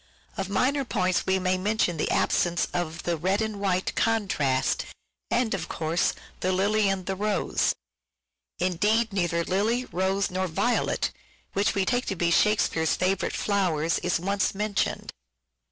Of minor points we may mention the absence of the " red and white " contrast, and, of course, the " lily and the rose." Indeed, neither lily, rose, nor violet, which we take to be Shakespeare's favourite flowers, is once mentioned.